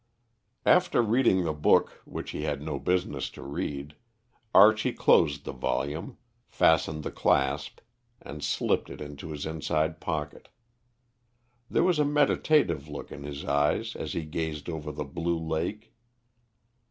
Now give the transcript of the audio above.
After reading the book which he had no business to read, Archie closed the volume, fastened the clasp, and slipped it into his inside pocket. There was a meditative look in his eyes as he gazed over the blue lake.